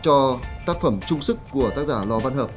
cho tác phẩm trung sức của tác giả lò văn hợp